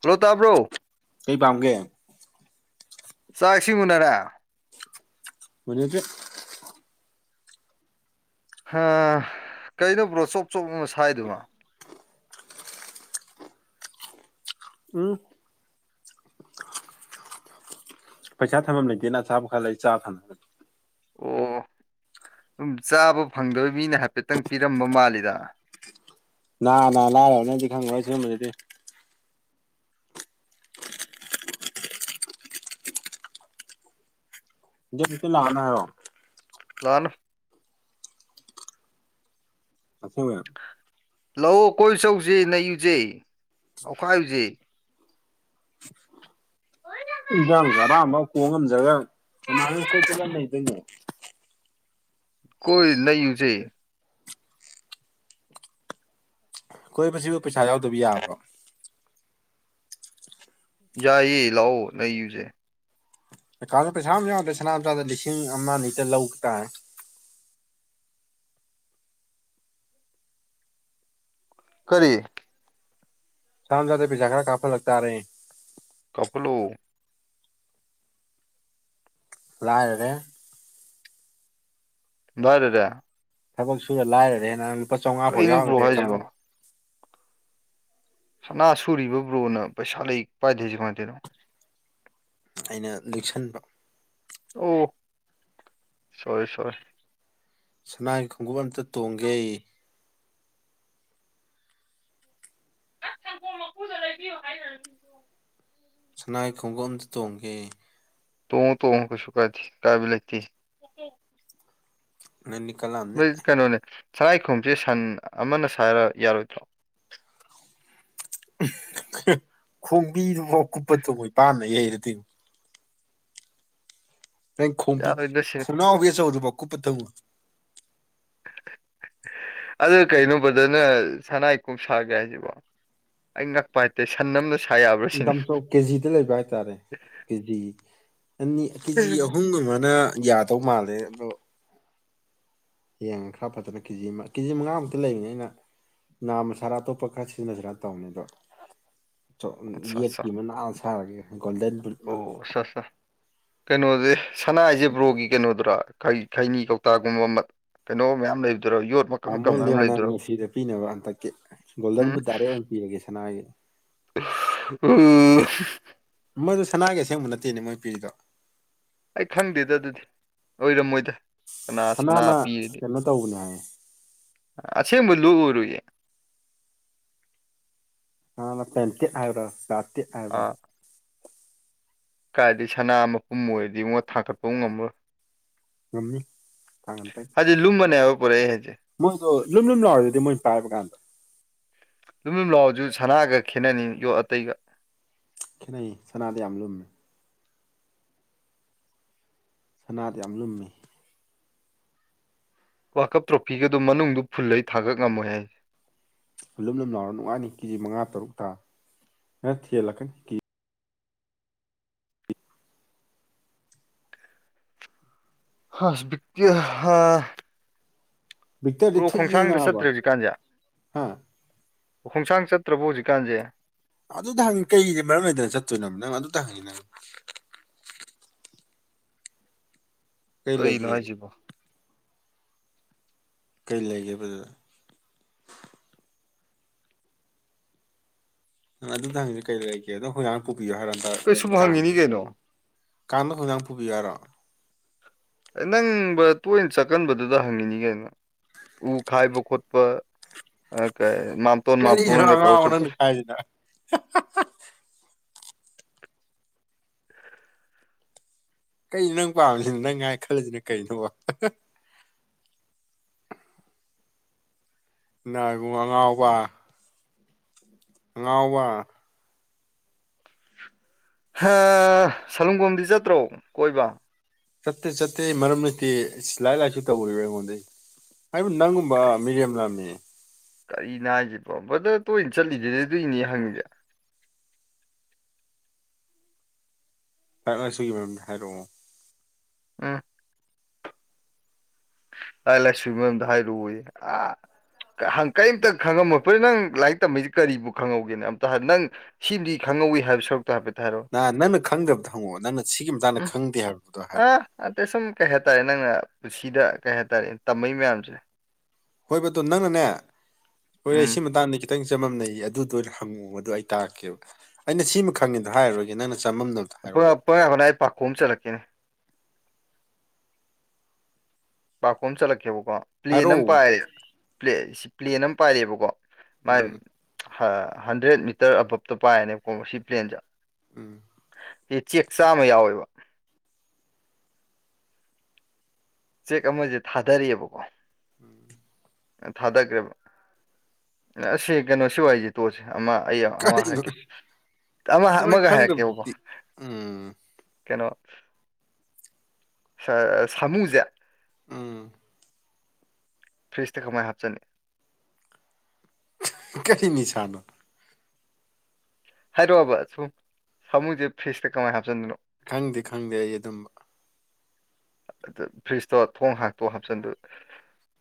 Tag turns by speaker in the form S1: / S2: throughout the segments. S1: hello ꯇꯥꯕ꯭ꯔꯣ
S2: ꯀꯩ ꯄꯥꯝꯒꯦ
S1: ꯆ ꯏꯁꯤ ꯃꯔ
S2: ꯃꯅꯣ ꯀ
S1: ꯍ ꯀꯧꯅꯣ ꯕ꯭ꯔꯣ ꯆꯣꯞ ꯆꯣꯞꯅ ꯁꯥꯏꯗꯨꯕꯨ
S2: ꯎꯝ ꯄꯩꯁꯥ ꯊꯝꯐꯝꯝ ꯂꯩꯇꯦꯅ ꯑꯆꯥꯥꯕ ꯈꯔ ꯂꯩ ꯆꯥ ꯐꯅꯕꯅꯤ
S1: ꯑꯣ ꯁꯝ ꯆꯥꯕ ꯐꯪꯗꯕ ꯃꯤꯅ ꯍꯥꯏꯐꯦꯠꯇꯪ ꯄꯤꯔꯝꯕ ꯃꯥꯜꯂꯤꯗ
S2: ꯅꯅꯥ ꯂꯥꯏꯔꯕꯅꯗꯤ ꯈꯪꯉꯣꯏ ꯁꯤꯒꯨꯝꯕꯗꯨꯗꯤ [unintelligible]
S1: ꯂꯥꯅ
S2: ꯑꯈꯣꯏ
S1: ꯂꯥꯛꯑꯣ ꯀꯣꯏꯆꯧꯁꯤꯦ ꯅ ꯌꯨꯖꯩ ꯑꯩꯈꯥꯏꯨꯖꯩ
S2: ꯏꯖꯥꯡ ꯔ ꯑꯃ ꯀꯣꯡ ꯉꯝꯖꯒ ꯀꯃꯥꯏꯅ ꯀꯣꯏꯠꯂ ꯂꯩꯗꯣꯏꯅꯣ
S1: ꯀꯣꯏ ꯂꯩꯔꯨꯁꯦ
S2: ꯀꯣꯏꯕꯁꯤꯕꯨ ꯄꯩꯁꯥ ꯌꯥꯎꯗꯕꯤ ꯌꯥꯕ꯭ꯔꯣ
S1: ꯌꯥꯏꯌꯦ ꯂꯥꯛꯑꯣ ꯂꯩꯌꯨꯁꯦ
S2: ꯑꯦꯀꯥꯎꯟꯒ ꯄꯩꯁꯥ ꯑꯃ ꯌꯥꯎꯗꯔꯦ ꯁꯅꯥꯝꯆꯥꯗ ꯂꯤꯁꯤꯡ ꯑꯃ ꯅꯤꯇ ꯂꯧ ꯇꯥꯔꯦ
S1: ꯀꯔꯤ
S2: ꯁꯅꯥꯝꯅꯥꯗꯩ ꯄꯩꯁꯥ ꯈꯔ ꯀꯥꯞꯍꯜꯂꯛ ꯇꯥꯔꯦ
S1: ꯀꯄꯂꯣ
S2: ꯂꯥꯏꯔꯔꯦ
S1: ꯂꯥꯏꯔꯔꯦ
S2: ꯊꯕꯛ ꯁꯨꯔ ꯂꯥꯏꯔꯔꯦ ꯍꯦꯟꯅ ꯅ ꯂꯨꯄꯥ ꯆꯥꯎꯉꯥ ꯐꯥꯎ
S1: ꯀꯩꯅꯣ
S2: ꯌꯥꯎꯗ꯭ꯔꯦ
S1: ꯕ꯭ꯔꯣ
S2: ꯑꯦꯀꯥꯎꯟ
S1: ꯍꯥꯏꯁꯤꯕꯣ ꯁꯅꯥ ꯁꯨꯔꯤꯕ ꯕ꯭ꯔꯣꯅ ꯄꯩꯁꯥ ꯂꯩ ꯄꯥꯏꯗꯣꯏꯁꯦ ꯀꯃꯥꯏꯅ ꯇꯧꯔꯤꯅꯣ
S2: ꯑꯩꯅ ꯂꯤꯛꯁꯟꯕ
S1: ꯑꯣ ꯁꯣꯔꯤ ꯁꯣꯔꯤ
S2: ꯁꯅꯥꯒꯤ ꯈꯣꯡꯒꯨꯞ ꯑꯝꯇ ꯇꯣꯡꯒꯦ
S1: [unintelligible]
S2: ꯁꯅꯥ ꯈꯣꯡꯎꯞ ꯑꯝꯇ ꯇꯣꯡꯒꯦ
S1: ꯇꯣꯡꯉꯨ ꯇꯣꯡꯉꯨ ꯀꯩꯁꯨ ꯀꯥꯏꯗꯦ ꯀꯥꯏꯕ ꯂꯩꯇꯦ
S2: ꯅꯪꯗꯤ ꯀꯜꯂꯛꯑꯝꯅꯤ
S1: ꯃꯣꯏ ꯀꯩꯅꯣꯅꯦ ꯁꯅꯥꯏꯈꯣꯡꯎꯞ ꯁꯟ ꯑꯃꯅ ꯁꯥꯔ ꯌꯥꯔꯣꯏꯗ꯭ꯔꯣ
S2: ꯑꯝꯍ ꯈꯣꯡꯕꯤꯗꯨꯐꯥꯎ ꯀꯨꯞꯄ ꯇꯣ ꯃꯣꯏ ꯄꯥꯟꯅ ꯌꯩꯔꯗꯤ ꯅꯪ ꯈꯣꯝꯕꯤ
S1: ꯌꯥꯔꯣꯏꯗ ꯁꯤꯅꯤ
S2: ꯈꯣꯡꯅꯥꯎꯕꯤ ꯑꯆꯧꯕꯗꯨꯕꯥꯎ ꯀꯨꯞꯄ ꯊꯝꯕ
S1: ꯑꯗꯨ ꯀꯩꯅꯣꯕ ꯅꯪꯅ ꯁꯅꯥꯏ ꯀꯨꯞ ꯁꯥꯒꯦ ꯍꯥꯏꯁꯤꯕꯣ ꯑꯩ ꯉꯛꯄ ꯍꯥꯏꯇꯦ ꯁꯟ ꯑꯃꯗ
S2: ꯏꯟ ꯇꯔꯝꯁ ꯑꯣꯐ ꯀꯦꯖꯤꯗ ꯂꯩꯕ ꯍꯥꯏꯇꯥꯔꯦ ꯀꯦꯖꯤ ꯑꯅꯤ ꯀꯦꯖꯤ ꯑꯍꯨꯝꯒꯨꯝ ꯑꯃꯅ ꯌꯥꯗꯧ ꯃꯥꯜꯂꯦ ꯑꯗꯣ ꯌꯦꯡꯉꯒ ꯈꯔ ꯐꯖꯅ ꯀꯦꯖꯤ ꯑꯃ ꯀꯦꯖꯤ ꯃꯉꯥꯃꯨꯛꯇ ꯂꯩꯕꯅꯦ ꯑꯩꯅ ꯅꯥꯝꯃꯁꯥꯔꯥ ꯑꯇꯣꯞꯄ ꯈꯔ ꯁꯤꯖꯤꯟꯅꯖꯔ ꯇꯧꯅꯤ ꯑꯗꯣ ꯆꯣ
S1: ꯑꯠꯆꯥ ꯑꯠꯆꯥ
S2: ꯌꯦꯠꯀꯤ ꯃꯅꯥ ꯁꯥꯔꯒꯦ ꯒꯣꯜꯗꯟ ꯕꯨ
S1: ꯑꯣ ꯁꯥꯁ ꯀꯩꯅꯣꯗꯤ ꯁꯅꯥ ꯍꯥꯏꯁꯦ ꯕ꯭ꯔꯣꯒꯤ ꯀꯩꯅꯣꯗꯨꯔꯥ ꯈꯩ ꯈꯩꯅꯤ ꯀꯧꯇꯥꯒꯨꯝꯕ ꯀꯩꯅꯣ ꯃꯌꯥꯝ ꯂꯩꯕꯗꯨꯔꯣ ꯌꯣꯠ ꯃꯀꯛ
S2: ꯀꯥꯃꯣ
S1: ꯃꯀꯛ ꯃꯌꯥꯝ
S2: ꯂꯤꯌꯣꯅꯥꯜ
S1: ꯂꯩꯕꯗꯨꯔꯣ
S2: ꯃꯁꯤꯗ ꯄꯤꯅꯕ ꯍꯟꯗꯛꯀꯤ ꯒꯣꯜꯗꯟꯕꯨ ꯗꯥꯏꯔꯦ ꯑꯣꯏꯅ ꯄꯤꯔꯒꯦ ꯁꯅꯥꯒꯤ
S1: ꯎꯝ
S2: ꯃꯣꯏꯗꯨ ꯁꯅꯥꯒꯤ ꯑꯁꯦꯡꯕ ꯅꯠꯇꯦꯅꯦ ꯃꯣꯏ ꯄꯤꯔꯤꯗꯣ
S1: ꯑꯩ ꯈꯪꯗꯦꯗ ꯑꯗꯨꯗꯤ ꯑꯣꯏꯔꯝꯃꯣꯏꯗ ꯀꯅꯥ ꯁꯅꯥ
S2: ꯁꯅꯥꯅ
S1: ꯄꯤꯔꯗꯤ
S2: ꯀꯩꯅꯣ ꯇꯧꯕꯅꯦ ꯍꯥꯏꯌꯦ
S1: ꯑꯁꯦꯡꯕ ꯂꯨ ꯑꯣꯏꯔꯣꯏꯌꯦ
S2: ꯍꯥꯅ ꯄꯦꯟꯇꯦꯠ ꯍꯥꯏꯕ꯭ꯔꯥ ꯄ꯭ꯂꯥꯇꯦꯠ
S1: ꯑꯥ
S2: ꯍꯥꯏꯕ꯭꯭ꯔꯥ
S1: ꯀꯥꯏꯗꯤ ꯁꯅꯥ ꯃꯄꯨꯝ ꯑꯣꯏꯔꯗꯤꯉꯣ ꯊꯥꯡꯒꯠꯄꯧ ꯉꯝꯃꯣꯏ
S2: ꯉꯝꯅꯤ ꯊꯥꯡꯒꯠꯄꯩ
S1: ꯑꯗꯨꯗꯤ ꯂꯨꯝꯃꯅꯦꯕ ꯄꯨꯔꯛꯏꯁꯦ
S2: ꯃꯣꯏꯗꯣ ꯂꯨꯝ ꯂꯨꯝ ꯂꯥꯎꯔꯤꯗꯨꯗꯤ ꯃꯣꯏ ꯄꯥꯏꯕ ꯀꯥꯟꯗ
S1: ꯌꯨꯝ ꯌꯨꯝ ꯂꯥꯎꯁꯨ ꯁꯅꯥꯒ ꯈꯦꯠꯅꯅꯤ ꯌꯣꯠ ꯑꯇꯩꯒ
S2: ꯈꯦꯠꯅꯩ ꯁꯅꯥꯗꯤ ꯌꯥꯝ ꯂꯨꯝꯃꯦ ꯁꯅꯥꯗꯤ ꯌꯥꯝ ꯂꯨꯝꯃꯤ
S1: ꯋꯥꯜꯀꯞ ꯇ꯭ꯔꯣꯐꯤꯒꯗꯨ ꯃꯅꯨꯡꯗꯨ ꯐꯨꯜꯂꯒꯗꯤ ꯊꯥꯡꯒꯠ ꯉꯝꯃꯣꯏ ꯍꯥꯏꯔꯤ
S2: ꯂꯨꯝ ꯂꯨꯝ ꯂꯥꯎꯔ ꯅꯨꯡꯉꯥꯏꯅꯤ ꯀꯦꯖꯤ ꯃꯉꯥ ꯇꯔꯨꯛ ꯇꯔꯥ ꯅꯪ ꯊꯦꯜꯂꯛꯀꯅꯤ ꯀꯦ
S1: ꯍꯁ ꯍꯥ
S2: ꯚꯤꯛꯇꯔꯗꯤ
S1: ꯕ꯭ꯔꯣ
S2: ꯊꯨꯏꯌꯦ
S1: ꯈꯣꯡꯁꯥꯡꯗ
S2: ꯅꯥꯕ
S1: ꯆꯠꯇ꯭ꯔꯦ ꯍꯧꯖꯤꯛꯀꯥꯟꯁꯦ
S2: ꯍꯥ
S1: ꯈꯣꯡꯁꯥꯡ ꯆꯠꯇ꯭ꯔꯕꯣ ꯍꯧꯖꯤꯛꯀꯥꯟꯁꯦ
S2: ꯑꯗꯨꯗ ꯍꯪꯉꯤ ꯀꯩꯒꯤ ꯃꯔꯝ ꯂꯩꯗꯅ ꯆꯠꯇꯣꯏꯅꯣ ꯅꯪ ꯑꯗꯨꯗ ꯍꯪꯉꯤ ꯅꯪ ꯀꯩ
S1: ꯀꯩꯅꯣ
S2: ꯂꯩꯒꯦ
S1: ꯍꯥꯏꯁꯤꯕꯣ
S2: ꯀꯔꯤ ꯂꯩꯒꯦꯕꯗꯨꯗ ꯅꯪ ꯑꯗꯨꯗꯪꯁ ꯀꯩꯗ ꯂꯩꯒꯦ ꯑꯗꯣ ꯍꯔꯥꯡ ꯄꯨꯕꯤꯌꯣ ꯍꯥꯏꯔꯝ
S1: ꯀꯩ ꯁꯨꯝ
S2: ꯀꯥꯡ
S1: ꯍꯪꯉꯤꯅꯤ ꯀꯩꯅꯣ
S2: ꯀꯥꯡꯕ ꯍꯣꯡꯖꯡ ꯄꯨꯕꯤꯒꯦ ꯍꯥꯏꯔꯣ
S1: ꯅꯪ ꯕ ꯇꯣꯏꯅ ꯆꯠꯀꯟꯕꯗꯨꯗ ꯍꯪꯉꯤꯅꯤ ꯀꯩꯅꯣ ꯎ ꯈꯥꯏꯕ ꯈꯣꯠꯄ ꯑꯀ
S2: [unintelligible] ꯀꯩꯅꯣ ꯅꯪ ꯄꯥꯝꯃꯤꯁꯤꯅ ꯅꯪ ꯍꯥꯏꯏ ꯈꯜꯂꯁꯤꯅ ꯀꯩꯅꯣ ꯏꯕꯨꯡ ꯑꯉꯥꯎꯕ ꯑꯉꯥꯎꯕ
S1: ꯍ ꯁꯂꯨꯡꯐꯝꯗꯤ ꯆꯠꯇ꯭ꯔꯣ ꯀꯣꯏꯕ
S2: ꯆꯠꯇꯦ ꯆꯠꯇꯦ ꯃꯔꯝ ꯂꯩꯇꯦꯌꯦ ꯂꯥꯏ ꯂꯥꯏꯁꯨ ꯇꯧꯔꯤꯕ ꯑꯩꯉꯣꯟꯗꯩ ꯑꯩꯕꯨ ꯅꯪꯒꯨꯝꯕ ꯃꯤꯔꯦꯝ ꯂꯥꯝꯃꯤ
S1: ꯀꯔꯤꯅ ꯍꯥꯏꯁꯤꯕꯣ ꯕ꯭ꯔꯗ ꯇꯣꯏꯅ ꯆꯠꯂꯤꯗꯨꯗꯤ ꯑꯗꯨꯏꯅꯦ ꯍꯪꯉꯤꯁꯦ
S2: ꯂꯥꯏꯛ ꯂꯥꯏꯁꯨꯒꯤ ꯃꯔꯝꯗ ꯍꯥꯏꯔꯛꯑꯣ
S1: ꯎꯝ ꯂꯥꯏꯛ ꯂꯥꯏ ꯁꯨꯒꯤ ꯃꯔꯝꯗ ꯍꯥꯏꯔꯛ ꯑꯣꯌꯦ ꯑ ꯪ ꯀꯔꯤꯝꯇ ꯈꯪꯉꯝꯃꯣꯏ ꯐ ꯅꯪ ꯂꯥꯏꯔꯤꯛ ꯇꯝꯃꯤꯁꯤ ꯀꯔꯤꯕꯨ ꯈꯪꯍꯧꯒꯦꯅ ꯑꯝꯇ ꯅꯪ ꯁꯤꯝꯗꯤ ꯈꯪꯍꯧꯋꯏ ꯍꯥꯏꯕꯁꯨ ꯇꯣ ꯍꯥꯏꯐꯦꯠ ꯇ ꯍꯥꯏꯔꯛꯎꯅꯦ
S2: ꯅ ꯅꯪꯅ ꯈꯪꯗꯕꯗꯣ ꯍꯪꯉꯛꯑꯣ ꯅꯪꯅ ꯁꯤꯒꯤ ꯃꯇꯥꯡꯗ
S1: ꯎꯝ
S2: ꯈꯪꯗꯦ ꯍꯥꯏꯕꯗꯣ ꯍꯥꯏꯔꯛꯑꯣ
S1: ꯑꯥ ꯑꯇꯩ ꯁꯨꯝ ꯀꯩ ꯍꯥꯏꯇꯥꯔꯦ ꯅꯪꯅ ꯄꯨꯟꯁꯤꯗ ꯀꯩ ꯍꯥꯏꯇꯥꯔꯦ ꯇꯝꯝꯕꯩ ꯃꯌꯥꯝꯁꯦ
S2: ꯍꯣꯏꯕꯇꯣ ꯅꯪꯅꯅꯦ ꯑꯣꯏꯔꯦ
S1: ꯎꯝ
S2: ꯁꯤ ꯃꯇꯥꯡꯗ ꯈꯤꯇꯪ ꯆꯃꯝꯅꯩ ꯑꯗꯨꯗ ꯑꯣꯏꯅ ꯍꯪꯉꯑꯣ ꯑꯗꯨ ꯑꯩ ꯇꯥꯛꯔꯀꯦꯕ ꯑꯩꯅ ꯁꯤꯃ ꯈꯪꯉꯦꯗ ꯍꯥꯏꯔꯒꯦ ꯅꯪꯅ ꯆꯃꯝꯅꯕ
S1: ꯄꯔ ꯍꯥꯟꯅ ꯑꯩ ꯄꯥꯈꯣ ꯑꯃ ꯆꯠꯂꯛꯀꯅꯦ ꯄꯥꯔꯀꯣ ꯑꯃ ꯆꯠꯂꯛꯀꯦꯕꯀꯣ ꯄ꯭ꯂꯦꯟ ꯑꯃ
S2: ꯍꯥꯏꯔꯛꯑꯣ
S1: ꯄꯥꯏꯔꯦ ꯁꯤ ꯄ꯭ꯂꯦꯟ ꯑꯃ ꯄꯥꯏꯔꯦꯕꯀꯣ ꯃꯥꯏ
S2: ꯎꯝ
S1: ꯍ ꯍꯟꯗ꯭ꯔꯦꯗ ꯃꯤꯇꯔ ꯑꯕꯞꯇꯣ ꯄꯥꯏꯅꯦꯕꯀꯣ ꯁꯤ ꯄ꯭ꯂꯦꯟꯁꯦ
S2: ꯎꯝ
S1: ꯁꯤ ꯆꯦꯛ ꯆꯥꯃ ꯌꯥꯎꯋꯦꯕ ꯆꯦꯛ ꯑꯃꯁꯦ ꯊꯥꯗꯔꯤꯑꯕꯀꯣ
S2: ꯎꯝ
S1: ꯊꯥꯗꯈ꯭ꯔꯦꯕ ꯑꯁꯤ ꯀꯩꯅꯣ ꯁꯤ ꯋꯥꯔꯤꯁꯦ ꯇꯣꯛꯑꯁꯤ ꯑꯃ ꯑꯩ ꯑꯃꯒ
S2: ꯀꯔꯤꯅꯣ
S1: ꯍꯥꯏꯔꯛꯀꯦ ꯑꯃ
S2: ꯑꯗꯨꯃꯥꯏꯅ
S1: ꯑꯃꯒ ꯍꯥꯏꯔꯛꯀꯦꯕꯀꯣ
S2: ꯈꯪꯗꯕꯗꯨꯗꯤ ꯎꯝ
S1: ꯀꯩꯅꯣ ꯁ ꯑ ꯁꯥꯃꯨꯁꯦ
S2: ꯎꯝ
S1: ꯐ꯭ꯔꯤꯖꯇ ꯀꯃꯥꯏ ꯍꯥꯞꯆꯅꯤ
S2: ꯀꯩꯅꯤꯁꯥꯅꯣ
S1: ꯍꯥꯏꯔꯛꯑꯕ ꯁꯨꯝ ꯁꯥꯃꯨꯁꯦ ꯐ꯭ꯔꯤꯖꯇ ꯀꯃꯥꯏꯅ ꯍꯥꯞꯆꯤꯟꯗꯣꯏꯅꯣ
S2: ꯈꯪꯗꯦ ꯈꯪꯗꯦ ꯑꯩ ꯑꯗꯨꯝꯕ
S1: ꯑꯗꯨ ꯐ꯭ꯔꯤꯖꯇꯣ ꯊꯣꯡ ꯍꯥꯛꯇꯣ ꯍꯥꯞꯆꯤꯟꯗꯨ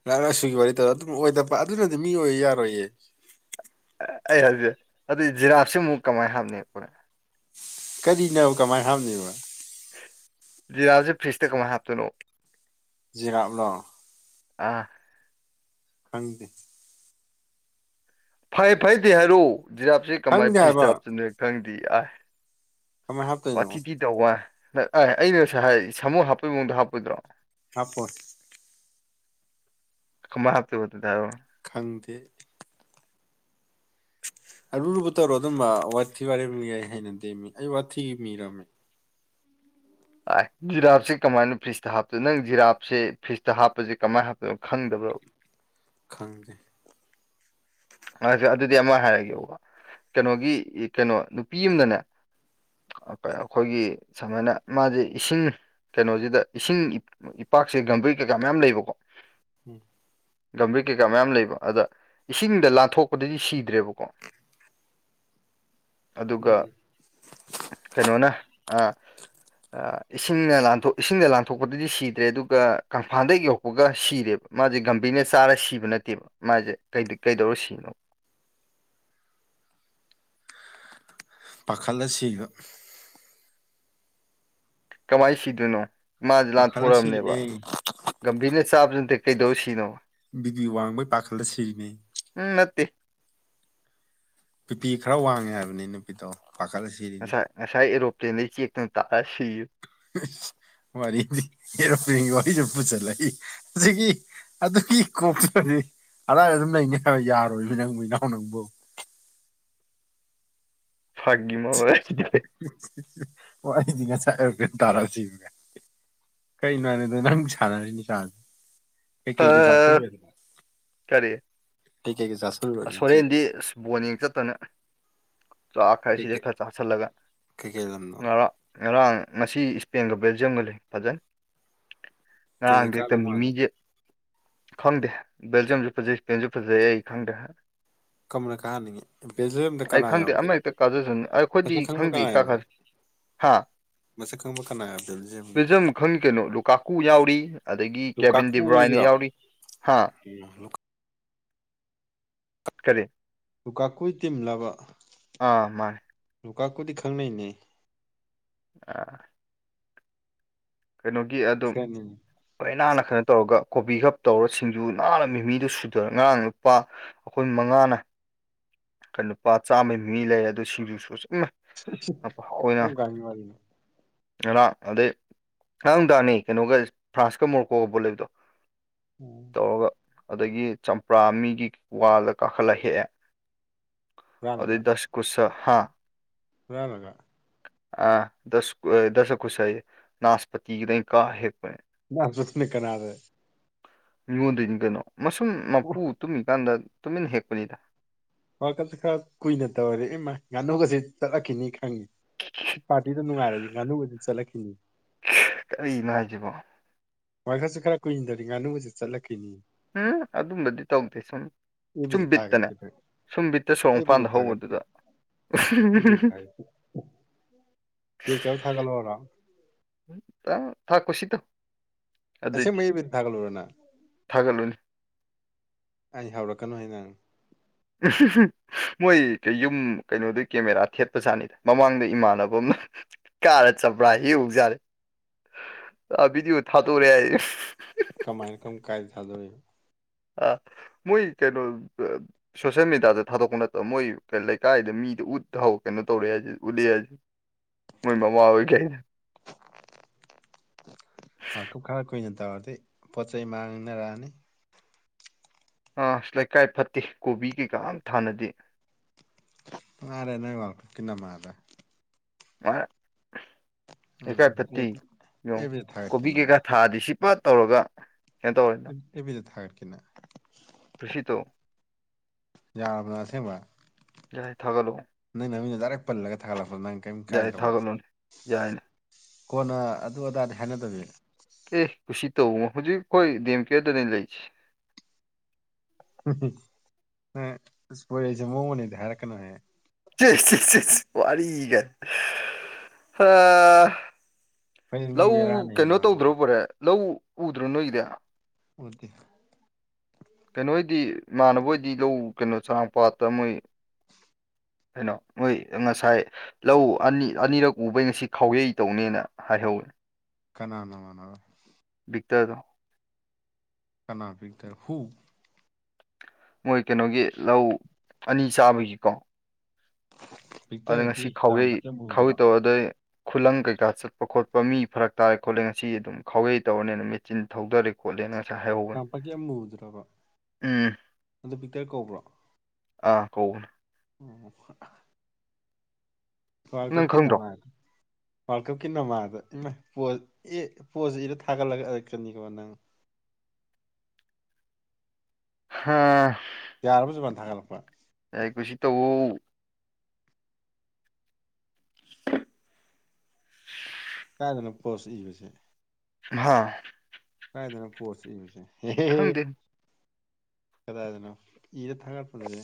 S2: ꯅꯍꯥꯛ ꯂꯁꯨꯨꯒꯤ ꯋꯥꯔꯤ ꯇꯧꯔ ꯑꯗꯨꯝ ꯑꯣꯏꯗꯕ ꯑꯗꯨꯅꯗꯤ ꯃꯤ ꯑꯣꯏꯕ ꯌꯥꯔꯣꯏꯌꯦ
S1: ꯑꯩ ꯍꯧꯖꯤꯛ ꯑꯗꯨ ꯖꯤꯔꯞꯁꯤꯃꯨꯛ ꯀꯃꯥꯏꯅ ꯍꯥꯞꯅꯤꯕ
S2: ꯀꯔꯤꯅꯣ ꯀꯃꯥꯏꯅ ꯍꯥꯞꯕꯅꯤꯕ
S1: ꯖꯤꯔꯥꯞꯁꯦ ꯐꯤꯔꯁꯇ ꯀꯃꯥꯏ ꯍꯥꯞꯇꯣꯢꯅꯣꯕ
S2: ꯖꯤꯔꯥꯞꯂꯣ
S1: ꯑꯥ
S2: ꯈꯪꯗꯦ
S1: ꯐꯩ ꯐꯩꯗꯤ ꯍꯥꯏꯔꯛꯑꯣ ꯖꯤꯔꯥꯞꯁꯦ ꯀꯃꯥꯏ
S2: ꯈꯪꯗꯦ
S1: ꯐꯤꯁꯇ
S2: ꯍꯥꯏꯕ
S1: ꯍꯥꯞꯆꯟ ꯗꯣꯢꯅꯣ ꯈꯪꯗꯦ ꯑ
S2: ꯀꯃꯥꯏꯅ ꯍꯥꯞꯇꯣꯏꯅꯣ
S1: ꯋꯥꯊꯤ ꯄꯤ ꯇꯧꯕ ꯑꯩꯅ ꯉ ꯍꯥꯏ ꯁꯥꯃꯨ ꯍꯥꯞꯄꯩ ꯃꯑꯣꯡꯗꯣ ꯍꯥꯞꯄꯣꯏꯗ꯭ꯔꯣ
S2: ꯍꯥꯄꯣꯢ
S1: ꯀꯃꯥꯢ ꯍꯥꯞꯇꯣꯢꯕ ꯗꯨꯗꯤ ꯍꯥꯢꯔꯛꯑꯣ
S2: ꯈꯪꯗꯦ ꯑꯔꯨꯔꯨꯕ ꯇꯧꯔꯣ ꯑꯗꯨꯝꯕ ꯋꯥꯊꯤ ꯋꯥꯔ ꯌꯥꯏ ꯍꯥꯏꯅ ꯗꯦꯝꯃꯤ ꯑꯩ ꯋꯥꯊꯤ ꯃꯤꯔꯝꯃꯦ
S1: ꯑ ꯖꯤꯔꯥꯞꯁꯦ ꯀꯃꯥꯏꯅ ꯐ꯭ꯔꯤꯖꯇ ꯍꯥꯞꯇꯣꯏꯣ ꯅꯪ ꯖꯤꯔꯥꯞꯁꯦ ꯐ꯭ꯔꯤꯖꯇ ꯍꯥꯞꯄꯁꯦ ꯀꯃꯥꯏꯅ ꯍꯥꯞꯇꯣꯏꯅꯣ ꯈꯪꯗꯕ꯭ꯔꯣ
S2: ꯈꯪꯗꯦ
S1: ꯑꯗꯨꯗꯤ ꯑꯃ ꯍꯥꯏꯔꯒꯦꯕ ꯀꯩꯅꯣꯒꯤ ꯀꯩꯅꯣ ꯅꯨꯄꯤ ꯑꯃꯅꯅꯦ ꯑꯩꯈꯣꯏꯒꯤ ꯁꯨꯃꯥꯏꯅ ꯃꯥꯁꯦ ꯏꯁꯤꯡ ꯀꯩꯅꯣꯁꯤꯗ ꯏꯁꯤꯡ ꯏꯄꯥꯛꯁꯦ ꯒꯝꯕꯔꯤ ꯀꯩꯀꯥ ꯃꯌꯥꯝ ꯂꯩꯕꯀꯣ
S2: ꯎꯝ
S1: ꯒꯝꯚꯤꯔ ꯀꯩꯀꯥ ꯃꯌꯥꯝ ꯂꯩꯕ ꯑꯗ ꯏꯁꯤꯡ ꯗ ꯂꯥꯟꯊꯣꯛꯄꯗꯗꯤ ꯁꯤꯗ꯭ꯔꯦꯕꯀꯣ ꯑꯗꯨꯒ ꯀꯩꯅꯣꯅ ꯑ ꯏꯁꯤꯡꯅ ꯂꯥꯟ ꯏꯁꯤꯡꯅ ꯂꯥꯟꯊꯣꯛꯄꯗꯗꯤ ꯁꯤꯗ꯭ꯔꯦ ꯑꯗꯨꯒ ꯀꯪꯐꯥꯟꯗ ꯌꯧꯍꯛꯄꯒ ꯁꯤꯔꯦꯕ ꯃꯥꯁꯦ ꯒꯝꯚꯤꯔꯅ ꯆꯥꯔ ꯁꯤꯕ ꯅꯠꯇꯦꯕ ꯃꯥꯁꯦ ꯀꯩꯗꯧꯔ ꯁꯤꯅꯣ
S2: ꯄꯥꯈꯠ ꯑꯁꯤꯕ
S1: ꯀꯃꯥꯏ ꯁꯤꯗꯣꯏꯅꯣ ꯃꯥꯁꯦ
S2: ꯄꯥꯈꯠꯂ
S1: ꯂꯥꯟꯊꯣꯔꯝꯅꯦꯕ
S2: ꯁꯤꯔꯤꯅꯦ
S1: ꯒꯝꯚꯤꯔꯅ ꯆꯥꯕꯖꯨ ꯅꯠꯇꯦ ꯀꯩꯗꯧ ꯁꯤꯅꯣ
S2: ꯕꯤꯄꯤ ꯋꯥꯡꯕꯩ ꯄꯥꯈꯜꯗ ꯁꯤꯔꯤꯅꯤ
S1: ꯎꯝ ꯅꯠꯇꯦ
S2: ꯕꯤꯄꯤ ꯈꯔ ꯋꯥꯡꯉꯦ ꯍꯥꯏꯕꯅꯤ ꯅꯨꯄꯤꯗꯣ ꯄꯥꯈꯠꯂꯁꯤ
S1: ꯉꯁꯥꯏ ꯉꯁꯥꯏ ꯑꯦꯔꯣꯄ꯭ꯂꯦꯟꯗꯒꯤ ꯆꯦꯛꯇꯨ ꯇꯥꯛꯑ ꯁꯤꯌꯨ
S2: ꯋꯥꯔꯤꯗꯤ ꯑꯦꯔꯣꯄꯂꯦꯟꯒꯤ ꯋꯥꯔꯤꯁꯨ ꯄꯨꯁꯜꯂꯛꯏ ꯁꯤꯒꯤ ꯑꯗꯨꯒꯤ ꯀꯣꯛꯇꯗꯤ ꯑꯗꯥꯏꯗ ꯑꯗꯨꯝ ꯂꯩꯅꯤ ꯍꯥꯏꯕ ꯌꯥꯔꯣꯏꯕ ꯅꯪ ꯃ ꯏꯅꯥꯎ ꯅꯪꯕꯨ
S1: ꯐꯥꯀꯤꯒꯤ ꯃꯥ ꯑꯣꯏ
S2: ꯑꯣ ꯑꯩꯗꯤ ꯉꯁꯥꯏ ꯇꯥꯔꯛꯑꯁꯤ ꯀꯩꯅꯣ ꯍꯥꯏꯅꯤꯗꯣ ꯅꯪ ꯁꯥꯟꯅꯔꯤ ꯂꯤꯁꯥꯁꯦ ꯀꯩꯀꯩ ꯒ
S1: ꯑ
S2: ꯆꯥꯊꯗꯅ
S1: ꯀꯔꯤ
S2: ꯉꯁꯤ
S1: ꯁꯣꯔꯦꯟꯗꯤ ꯕꯣꯅꯤꯡꯡ ꯆꯠꯇꯅ ꯆꯥꯛ ꯈꯔ ꯁꯤꯗꯩ
S2: ꯀꯩꯀꯩ
S1: ꯈꯔ ꯆꯥꯁꯜꯂꯒ
S2: ꯀꯩꯀꯩ ꯂꯝꯅꯣ
S1: ꯉꯔꯥꯡ ꯉꯔꯥꯡ ꯉꯁꯤ ꯏꯁꯄꯦꯟꯒ ꯕꯦꯜꯖꯤꯌꯝꯒ ꯂꯩ ꯐꯖꯩ
S2: ꯀꯩꯅ
S1: ꯉꯔꯥꯡꯗꯤ ꯍꯦꯛꯇ
S2: ꯀꯥꯗꯧ ꯃꯥꯜꯂꯦ
S1: ꯃꯤꯃꯤꯁꯦ ꯈꯪꯗꯦ ꯕꯖꯤꯝꯁꯨ ꯐꯖꯩꯖ ꯐꯖꯩ ꯑꯩ ꯈꯪꯗ
S2: ꯀꯔꯝꯕꯅ ꯀꯥꯍꯟꯅꯤꯡꯉꯤ ꯕꯦꯜꯖꯤꯌꯝꯗ
S1: ꯑꯩ
S2: ꯀꯅꯥ
S1: ꯈꯪꯗꯦ
S2: ꯌꯥꯎꯒꯦ
S1: ꯑꯃ ꯍꯦꯛꯇ ꯀꯥꯖꯁꯅ ꯑꯩ ꯑꯩꯈꯣꯏꯗꯤ
S2: ꯃꯁꯛ ꯈꯪꯕ
S1: ꯈꯪꯗꯦ
S2: ꯀꯅꯥ ꯌꯥꯎꯒꯦ
S1: ꯀꯥꯈ꯭ꯔꯁꯤ ꯍꯥꯥ
S2: ꯃꯁꯛ ꯈꯪꯕ ꯀꯅꯥꯕꯗꯖ
S1: ꯂꯖꯝ ꯈꯪꯉ ꯀꯩꯅꯣ ꯂꯨꯀꯥꯀꯨ ꯌꯥꯎꯔꯤ ꯑꯗꯒꯤ ꯀꯦꯕꯤꯟ ꯗꯤꯕ꯭ꯔꯥꯏꯅ ꯌꯥꯎꯔꯤ ꯍꯥ
S2: ꯎ
S1: ꯀꯔꯤ
S2: ꯇꯨꯀꯥꯀꯨꯏ ꯇꯤꯝꯂꯕ
S1: ꯑꯥ ꯃꯥꯅꯦ
S2: ꯂꯨꯀꯥꯛꯄꯨꯗꯤ ꯈꯪꯅꯩꯅꯦ
S1: ꯑꯥ ꯀꯩꯅꯣꯒꯤ ꯑꯗꯨꯝ
S2: ꯐ꯭ꯔꯦꯟꯅꯤꯅꯦ
S1: ꯈꯅꯥꯟꯅ ꯈꯔꯅ ꯇꯧꯔꯒ ꯀꯣꯕꯤ ꯀꯞ ꯇꯧꯔ ꯁꯤꯡꯖꯨ ꯅꯥꯟꯅ ꯃꯤꯃꯤꯗꯨ ꯁꯨꯗꯔ ꯉꯔꯥꯡ ꯂꯨꯄꯥ ꯑꯩꯈꯣꯏ ꯃꯉꯥꯅ ꯀ ꯂ ꯅꯨꯄꯥ ꯆꯥꯝꯃꯩ ꯃꯤ ꯂꯩꯔ ꯑꯗꯨ ꯁꯤꯡꯖꯨꯁꯨ ꯆꯨꯝꯃꯦ ꯑꯅ
S2: ꯀꯔꯝ ꯀꯥꯟꯒꯤ ꯋꯥꯔꯤꯅꯣ
S1: ꯑ ꯑꯗ ꯉꯥꯡꯗꯥꯅꯤ ꯀꯩꯅꯣꯒ ꯐ꯭ꯔꯥꯟꯁꯀ ꯃꯣꯔꯀꯣꯒꯕꯣꯠ ꯂꯩꯕꯗꯣ
S2: ꯎꯝ
S1: ꯇꯧꯔꯒ ꯑꯗꯒꯤ ꯆꯝꯄ꯭ꯔꯥ ꯃꯤꯒꯤ ꯋꯥꯗ ꯀꯥꯈꯠꯂ ꯍꯦꯛꯑꯦ ꯑ ꯗꯁ ꯀꯨꯁ ꯍꯥ
S2: ꯊꯥ ꯂꯥꯛꯒ
S1: ꯑ ꯗꯁ ꯗꯁ ꯈꯨꯁ ꯅꯥꯁꯄꯇ ꯀꯥ ꯍꯦ
S2: ꯁꯃꯤ ꯀꯅꯥꯗꯦ
S1: ꯃꯤꯉꯣꯟꯗꯣꯏꯅꯤ ꯀꯩꯅꯣ ꯃꯁꯨꯝ ꯃꯄꯨ ꯇꯨꯝꯃꯤꯀꯥꯟꯗ ꯇꯨꯃꯤꯟꯅ ꯍꯦꯛꯄꯅꯤꯗ
S2: ꯋꯥꯔꯜ ꯀꯞꯁꯦ ꯈꯔ ꯀꯨꯏꯅ ꯇꯧꯔꯦ ꯏꯃ ꯉꯥꯅꯨꯒꯁꯦ ꯆꯠꯂꯛꯈꯤꯅꯤ ꯈꯪꯉꯤ ꯄꯥꯔꯇꯤꯗ ꯅꯨꯡꯉꯥꯏꯔꯗꯤ ꯉꯥꯅꯨꯒꯗꯤ ꯆꯠꯂꯛꯈꯤꯅꯤ
S1: ꯀꯔꯤꯅꯣ ꯍꯥꯏꯁꯤꯕꯣ
S2: ꯋꯥꯈꯔꯁꯨ ꯈꯔ ꯀꯨꯏꯟꯗꯔꯤ ꯉꯥꯅꯨꯁꯨꯦ ꯆꯠꯂꯛꯈꯤꯅꯤ
S1: ꯎꯝ ꯑꯗꯨꯝꯕꯗꯤ ꯇꯧꯗꯦ ꯁꯨꯝ
S2: ꯑꯦꯕꯤꯗ
S1: ꯁꯨꯝꯕꯤꯠꯇꯅꯦ
S2: ꯊꯥꯒꯠꯀꯦ
S1: ꯁꯨꯝꯕꯤꯠ ꯍꯦꯛꯇ ꯁꯣꯔꯣꯛ
S2: ꯑꯦꯕꯤꯗ
S1: ꯃꯄꯥꯟꯗ
S2: ꯊꯥꯒꯠꯀꯦ
S1: ꯍꯧꯕꯗꯨꯗ
S2: ꯑꯦꯕꯤꯗ ꯊꯥꯒꯠꯀꯦ ꯊꯥꯒꯂꯣ ꯑꯔꯥꯎ
S1: ꯎ ꯊ ꯈꯨꯁꯤ ꯇ
S2: ꯑꯁꯦꯡ ꯃꯌꯦꯛꯕꯤ ꯊꯥꯒꯠꯂꯨꯔꯅ
S1: ꯊꯥꯒꯠꯂꯨꯅꯤ
S2: ꯑꯩ ꯍꯧꯔꯛꯀꯅꯨ ꯍꯥꯏ ꯅꯪ
S1: ꯎ ꯃꯣꯏ ꯌꯨꯝ ꯀꯩꯅꯣꯗꯨ ꯀꯦꯃꯦꯔꯥ ꯊꯦꯠꯄꯖꯥꯠꯅꯤꯗ ꯃꯃꯥꯡꯗ ꯏꯃꯥꯟꯅꯕ ꯑꯃꯅ ꯀꯥꯔ ꯆꯠꯄ꯭ꯔꯥ ꯍꯦꯛ ꯍꯧꯧꯖꯥꯔꯦ ꯕꯤꯗꯤꯑꯣ ꯊꯥꯗꯣꯔꯦ ꯑꯩ
S2: ꯀꯃꯥꯏꯟ ꯀꯝ ꯀꯥꯏ ꯆꯗꯦ
S1: ꯑ ꯃꯣꯏ ꯀꯩꯅꯣ ꯁꯣꯁꯦꯜ ꯃꯦꯗꯤꯌꯥꯗ ꯊꯥꯗꯣꯛꯄ ꯅꯠꯇꯕ ꯃꯣꯏ ꯂꯩꯀꯥꯏꯗ ꯃꯤꯗ ꯎꯠ ꯀꯩꯅꯣ ꯇꯧꯔꯦ ꯍꯥꯏꯁꯤꯗꯤ ꯂꯤꯦ ꯃꯣꯏ ꯃꯃꯥ ꯀ
S2: ꯨꯞ ꯈꯔ ꯀꯨꯏꯅ ꯇꯧꯔꯗꯤ ꯄꯣꯠ ꯆꯩ ꯃꯥꯡꯅꯔꯛꯑꯅꯤ
S1: ꯑ ꯑ ꯂꯩꯀꯥꯏ ꯐꯠꯇꯦ ꯀꯣꯕꯤ ꯀꯩꯀꯥꯝ ꯊꯥꯅꯗꯦ
S2: ꯃꯥꯔꯦ ꯅꯪ ꯋꯥꯥꯛ ꯀꯟꯅ ꯃꯥꯗ
S1: ꯑꯦꯥ
S2: ꯎꯝ ꯎꯝ
S1: ꯄꯤ ꯌ
S2: ꯑꯦꯕꯤꯗ ꯊꯥꯒꯠꯀꯦ
S1: ꯀꯣꯕꯤ ꯀ
S2: ꯅꯪ
S1: ꯀ ꯊꯥꯗꯤ ꯁꯤꯄ ꯇꯧꯔꯒ ꯀꯩꯅꯣ ꯇꯧꯔꯦ
S2: ꯑꯦꯕꯤꯗꯤ ꯊꯔ ꯀꯅ
S1: [unintelligible]
S2: ꯌꯥꯕ꯭ꯔꯥ ꯑꯁꯦꯡꯕ
S1: ꯌꯥꯥꯏꯌꯦ ꯊꯥꯒꯠꯂꯛꯑꯣ
S2: ꯅꯪ ꯅꯃꯤꯡꯗ ꯗꯥꯏꯔꯛ ꯄꯜꯂꯒ ꯊꯥꯒꯠꯂꯛꯄꯗꯣ ꯅꯪ ꯀꯩꯝ
S1: ꯌꯥꯏ
S2: ꯢꯀꯥꯏꯗ꯭ꯔꯕꯣ
S1: ꯊꯥꯒꯠꯂꯣꯅꯦ ꯌꯥꯏꯅꯦ
S2: ꯀꯣꯟꯅ ꯑꯗꯨ ꯑꯗꯥꯗꯤ ꯍꯥꯏꯅꯗꯕꯤ
S1: ꯑꯦ ꯀꯨꯁꯤ ꯇꯧꯕꯣ ꯍꯧꯖꯤꯛ ꯑꯩꯈꯣꯏ ꯗꯤ ꯑꯦꯝ ꯀꯤꯌꯔꯗꯅꯦ ꯂꯩꯔꯤꯁꯦ
S2: ꯄꯣꯢꯔꯩꯁꯦ ꯃꯋꯣꯡ ꯑꯃꯅꯦꯗꯤ ꯍꯥꯢꯔꯛꯀꯅꯨꯍꯦ
S1: ꯋꯥꯔꯤꯒ ꯍꯥꯥ
S2: ꯑꯩꯈꯣꯏ ꯃꯤ
S1: ꯂꯧ
S2: ꯕꯦꯔꯥꯅꯤꯍꯦ
S1: ꯀꯩꯅꯣ
S2: ꯅꯥꯕ
S1: ꯇꯧꯗ꯭ꯔꯕꯣꯔꯦ ꯂꯧ ꯎꯗ꯭ꯔꯣ ꯅꯣꯏ ꯏꯗꯤ
S2: ꯑꯣꯀꯦ
S1: ꯀꯩꯅꯣ ꯑꯣꯏꯗꯤ ꯏꯃꯥꯟꯅꯕꯣꯏꯗꯤ ꯂꯧ ꯀꯩꯅꯣ ꯆꯥꯡ ꯄꯥꯠꯇ ꯃꯣꯏ
S2: [unintelligible]
S1: ꯀꯩꯅꯣ ꯃꯣꯏ ꯉꯁꯥꯏ ꯂꯧ ꯑꯅꯤ ꯑꯅꯤꯔꯛ ꯎꯕꯩ ꯉꯁꯤ ꯈꯥꯎꯔꯩ ꯇꯧꯅꯦꯅ ꯍꯥꯏꯍꯧꯋꯤ
S2: ꯀꯅꯥ ꯅꯃꯅ
S1: ꯕꯤꯛꯇꯔꯗꯣ
S2: ꯀꯅꯥ ꯄꯗ ꯍꯨ
S1: ꯃꯣꯏ ꯀꯩꯅꯣꯒꯤ ꯂꯧ ꯑꯅꯤ ꯆꯥꯕꯒꯤꯀꯣ ꯑꯗ
S2: ꯄꯤꯛꯇꯔꯗꯤ
S1: ꯉꯁꯤ ꯈꯥꯎꯌꯩ
S2: ꯆꯥꯝꯄꯥꯛꯀꯤ
S1: ꯈꯥꯎꯌꯩ
S2: ꯑꯃꯨꯕꯗꯨꯔꯣ
S1: ꯇꯒꯗꯣꯢ ꯈꯨꯂꯪ ꯀꯩꯀꯥ ꯆꯠꯄ ꯈꯣꯠꯄ ꯃꯤ ꯐꯔꯛ ꯇꯥꯢ ꯈꯣꯠꯂꯦ ꯉꯁꯤ ꯑꯗꯨꯝ ꯈꯥꯎꯋꯩ ꯇꯧꯔꯅꯤꯅ ꯃꯦꯆꯤꯟ ꯊꯧꯗꯔꯦ ꯈꯣꯠꯂꯦꯅ ꯉꯁꯥꯏ ꯍꯥꯢꯍꯧꯕꯅꯦ
S2: ꯆꯥꯝꯄꯥꯛꯀꯤ ꯑꯃꯨꯕꯗꯨꯔꯕ
S1: ꯎꯝ
S2: ꯑꯗꯨ ꯄꯤꯛꯇꯔ ꯀꯧꯕ꯭ꯔꯣ
S1: ꯑꯥ [unintelligible]
S2: ꯑꯣ ꯋꯥꯔꯜ
S1: ꯅꯪ
S2: ꯀꯞꯀꯤ
S1: ꯈꯪꯗ꯭ꯔꯣ
S2: ꯅꯃꯥꯗ ꯋꯥꯔꯜ ꯀꯞꯀꯤ ꯅꯃꯥꯗ ꯏꯃ ꯄꯣ ꯑꯦ ꯄꯣꯖ ꯏꯔ ꯊꯥꯒꯠꯂꯛꯀꯅꯤꯀꯣ ꯅꯪ
S1: ꯍꯥ
S2: ꯌꯥꯔꯕꯣ ꯁꯨꯖꯥꯟ ꯊꯥꯡꯒꯠꯂꯛꯄ
S1: ꯌꯥꯏ ꯀꯨꯁꯤ ꯇꯧꯋꯣ
S2: ꯀꯥꯏꯗꯅꯣ ꯄꯣꯁ ꯏꯕꯁꯦ
S1: ꯍꯥꯥ
S2: ꯀꯥꯏꯗꯅꯣ ꯄꯣꯁ ꯏꯕꯁꯦ
S1: ꯈꯪꯗꯦ
S2: ꯀꯗꯥꯗꯅꯣ ꯏꯔ ꯊꯥꯡꯒꯠ ꯐꯝꯖꯦ